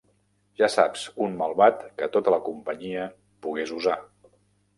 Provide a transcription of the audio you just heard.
Ja saps, un malvat que tota la companyia pogués usar.